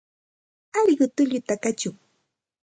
Alqu tulluta kachun.